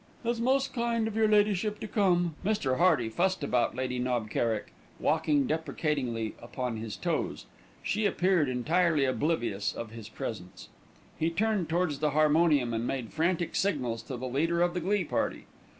"It is most kind of your ladyship to come." Mr. Hearty fussed about Lady Knob Kerrick, walking deprecatingly upon his toes. She appeared entirely oblivious of his presence. He turned towards the harmonium and made frantic signals to the leader of the glee party.